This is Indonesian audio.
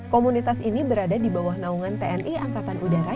komunitas ini berada di bawah naungan tni angkatan udara